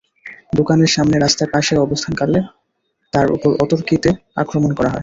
দোকানের সামনে রাস্তার পাশে অবস্থানকালে তাঁর ওপর অতর্কিতে আক্রমণ করা হয়।